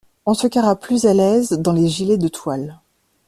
On se carra plus à l'aise dans les gilets de toile.